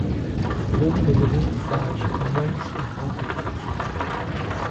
Bom pagamento faz mãos rápidas.